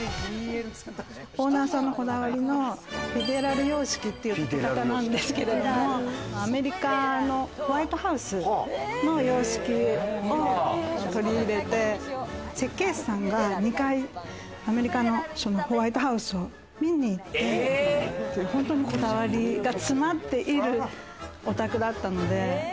オーナーさんのこだわりのフェデラル様式っていうものなんですけども、アメリカのホワイトハウスの様式を取り入れて、設計士さんが２回、アメリカのホワイトハウスを見に行って、本当にこだわりが詰まっているお宅だったので。